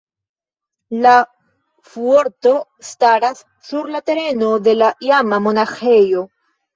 La fuorto staras sur la tereno de la iama monaĥejo.